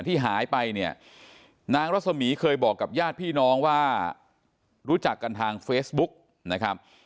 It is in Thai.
ที่หายไปเนี่ยนางรัศมีร์เคยบอกกับญาติพี่น้องว่ารู้จักกันทางเฟซบุ๊กนะครับ